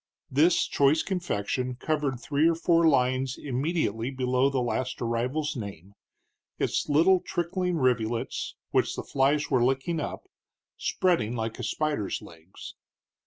This choice confection covered three or four lines immediately below the last arrival's name, its little trickling rivulets, which the flies were licking up, spreading like a spider's legs.